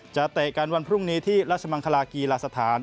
เตะกันวันพรุ่งนี้ที่ราชมังคลากีฬาสถาน